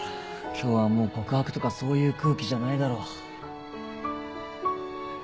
今日はもう告白とかそういう空気じゃないだろ。